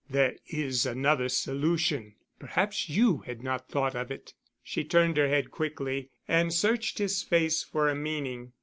"There is another solution. Perhaps you had not thought of it." She turned her head quickly and searched his face for a meaning.